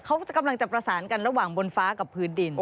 เขากำลังจะประสานกันระหว่างบนฟ้ากับพื้นดิน